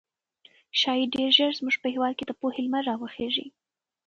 ښايي ډېر ژر زموږ په هېواد کې د پوهې لمر راوخېږي.